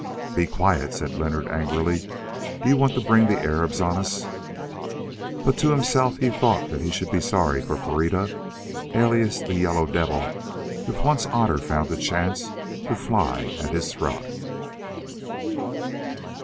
"Be quiet," said Leonard angrily; "do you want to bring the Arabs on us?" But to himself he thought that he should be sorry for Pereira, alias the "Yellow Devil," if once Otter found a chance to fly at his throat.